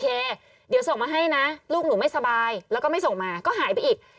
เคเดี๋ยวส่งมาให้นะลูกหนูไม่สบายแล้วก็ไม่ส่งมาก็หายไปอีก